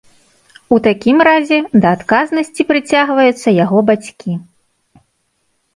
У такім разе да адказнасці прыцягваюцца яго бацькі.